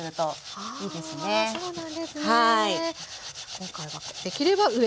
今回はできれば上の方。